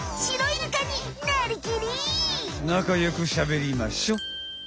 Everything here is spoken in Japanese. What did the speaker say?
なかよくしゃべりましょ。